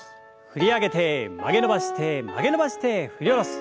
振り上げて曲げ伸ばして曲げ伸ばして振り下ろす。